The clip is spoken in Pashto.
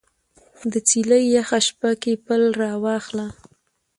د څیلې یخه شپه کې پل راواخله